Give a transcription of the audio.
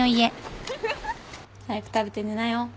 早く食べて寝なよ。